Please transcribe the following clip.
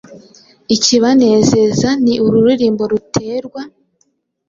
Ikibanezeza ni ururirimbo ruterwa